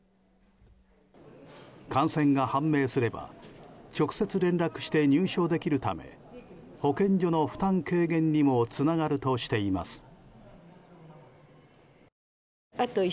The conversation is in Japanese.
感染が判明すれば直接連絡して入所できるため保健所の負担軽減にもつながるとしています。